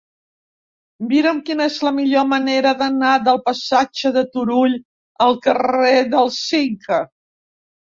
Mira'm quina és la millor manera d'anar del passatge de Turull al carrer del Cinca.